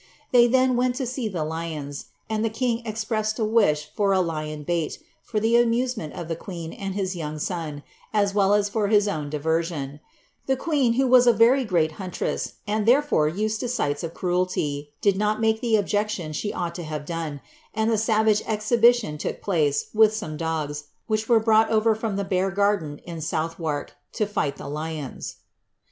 They then went to see the lions, and the king expressed a wish for a lion bait, for the amusement of the queen and his young son, as well as for his own diversion. The queen, who was a very great huntress, and therefore used to sights of cruelty, did 'Lodge. 316 not miilie the obji NE OF DSXM ARK. ought lo have done, oDi) the Kira^ lion itmk place, with some dogs, which were brooght ovw fran tki Bear Garderii in SouthwBrk, to fight the lions.'